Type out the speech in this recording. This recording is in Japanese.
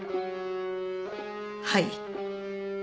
はい。